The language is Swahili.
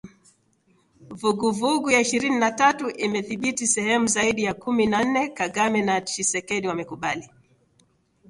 Vuguvugu ya Ishirini na tatu Imedhibiti sehemu zaidi ya kumi na nne, Kagame na Tshisekedi wamekubali kupunguza uhasama